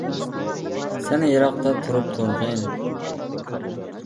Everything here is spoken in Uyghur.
سەن يىراقتا تۇرۇپ تۇرغىن.